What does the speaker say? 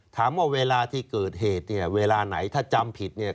ถามว่าเวลาที่เกิดเหตุเนี่ยเวลาไหนถ้าจำผิดเนี่ย